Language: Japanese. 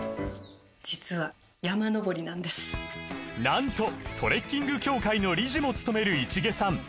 実はなんとトレッキング協会の理事もつとめる市毛さん